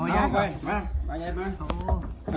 เอายากเลยมา